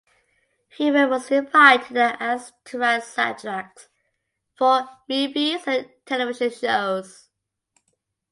Hubert was invited and asked to write soundtracks for movies and television shows.